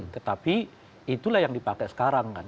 tetapi itulah yang dipakai sekarang kan